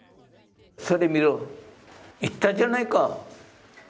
それみろ、言ったじゃないか。